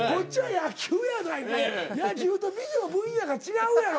野球と美女は分野が違うやろ。